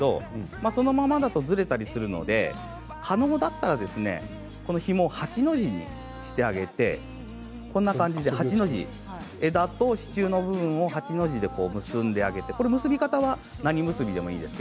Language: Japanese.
そのままだとずれたりするので可能だったらこのひもを８の字にしてあげて枝と支柱の部分を８の字で結んであげて結び方は何結びでもいいです。